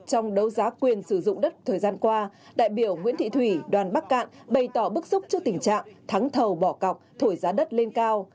trong đấu giá quyền sử dụng đất thời gian qua đại biểu nguyễn thị thủy đoàn bắc cạn bày tỏ bức xúc trước tình trạng thắng thầu bỏ cọc thổi giá đất lên cao